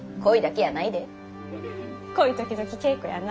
恋時々稽古やな。